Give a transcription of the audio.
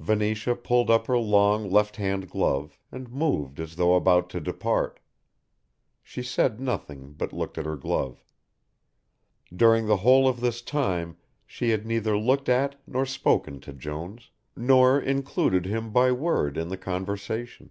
Venetia pulled up her long left hand glove and moved as though about to depart. She said nothing but looked at her glove. During the whole of this time she had neither looked at nor spoken to Jones, nor included him by word in the conversation.